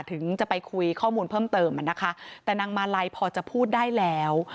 ถึงจะไปคุยข้อมูลเพิ่มเติมอ่ะนะคะแต่นางมาลัยพอจะพูดได้แล้ว